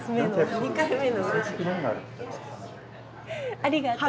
ありがとう。